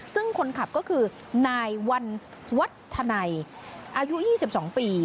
ซึ่งคนขับก็คือนายวันวัฒนัยอายุ๒๒ปี